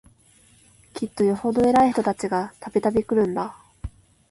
きっとよほど偉い人たちが、度々来るんだ